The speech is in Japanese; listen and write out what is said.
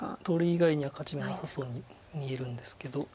取り以外には勝ち目なさそうに見えるんですけど。